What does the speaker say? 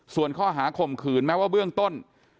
ส่วนข้อหาข่มขืนแม้ว่าเบื้องต้น